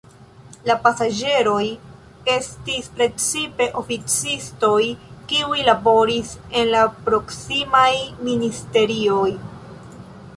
La pasaĝeroj estis precipe oficistoj, kiuj laboris en la proksimaj ministerioj.